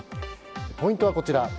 ポイントはこちら。